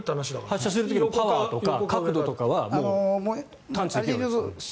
発射する時のパワーとか角度は探知できるわけですよね。